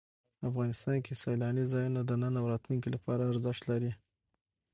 افغانستان کې سیلانی ځایونه د نن او راتلونکي لپاره ارزښت لري.